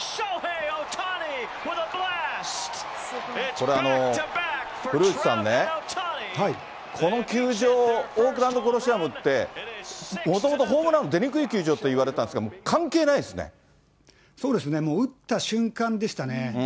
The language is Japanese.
これ、古内さんね、この球場、オークランドコロシアムって、もともとホームラン出にくい球場といわれてたんですけど、関係なそうですね、もう打った瞬間でしたね。